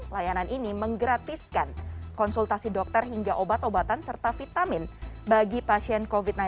layanan ini menggratiskan konsultasi dokter hingga obat obatan serta vitamin bagi pasien covid sembilan belas